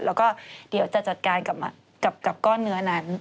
แล้วก็เดี๋ยวจะจัดการกับก้อนเนื้อนั้น